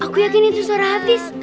aku yakin itu suara habis